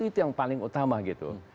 itu yang paling utama gitu